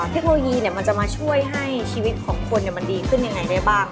เทคโนโลยีมันจะมาช่วยให้ชีวิตของคนมันดีขึ้นยังไงได้บ้าง